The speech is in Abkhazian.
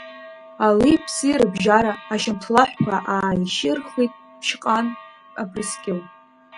Али-ԥси рыбжьара ашьамҭлаҳәқәа ааишьырхит Ԥшьҟан абрскьыл.